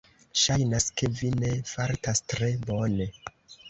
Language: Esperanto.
Ŝajnas, ke vi ne fartas tre bone.